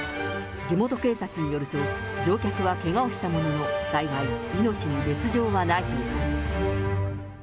地元警察によると、乗客はけがをしたものの、幸い、命に別状はないという。